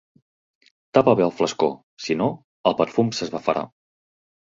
Tapa bé el flascó; si no, el perfum s'esbafarà.